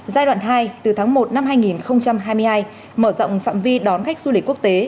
giai đoạn hai từ tháng một năm hai nghìn hai mươi hai mở rộng phạm vi đón khách du lịch quốc tế